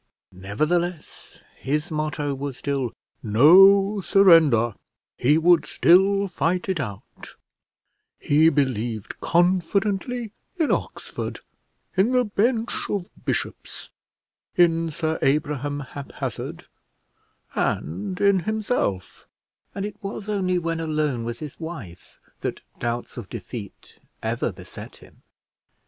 Nevertheless, his motto was still "no surrender;" he would still fight it out; he believed confidently in Oxford, in the bench of bishops, in Sir Abraham Haphazard, and in himself; and it was only when alone with his wife that doubts of defeat ever beset him.